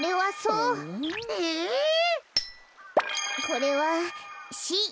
これはシ。